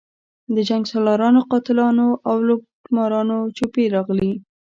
د جنګسالارانو، قاتلانو او لوټمارانو جوپې راغلي.